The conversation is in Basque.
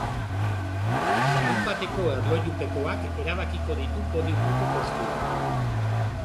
Larunbateko erlojupekoak erabakiko ditu podiumeko postuak.